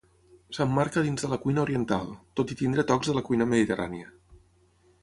S'emmarca dins de la cuina oriental, tot i tenir tocs de la cuina mediterrània.